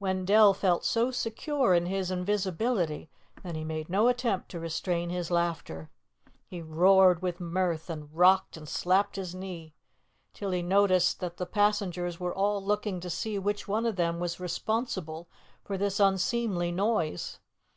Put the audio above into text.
Wendell felt so secure in his invisibility, that he made no attempt to restrain his laughter. He roared with mirth, and rocked, and slapped his knee, till he noticed that the passengers were all looking to see which one of them was responsible for this unseemly noise.